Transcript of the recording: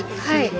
はい。